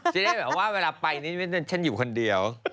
จะได้แบบว่าเวลาไปนี่ฉันอยู่คนเดียว